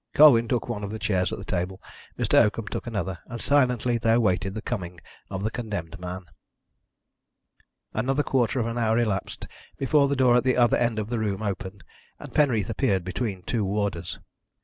Colwyn took one of the chairs at the table, Mr. Oakham took another, and silently they awaited the coming of the condemned man. Another quarter of an hour elapsed before the door at the other end of the room opened, and Penreath appeared between two warders.